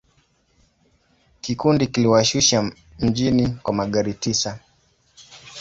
Kikundi kiliwashusha mjini kwa magari tisa.